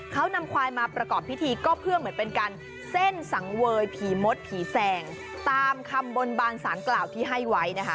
เขานำควายมาประกอบพิธีก็เพื่อเหมือนเป็นการเส้นสังเวยผีมดผีแสงตามคำบนบานสารกล่าวที่ให้ไว้นะคะ